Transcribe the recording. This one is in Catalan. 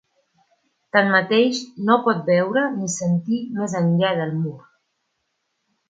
Tanmateix, no pot veure ni sentir més enllà del mur.